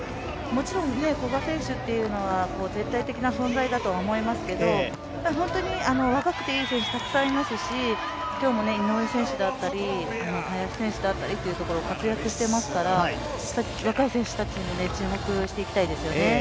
もちろん古賀選手というのは絶対的な存在だと思いますけど若くていい選手たくさんいますし、今日も井上選手だったり林選手だったりっていうところ活躍していますから、若い選手たちにも注目していきたいですね。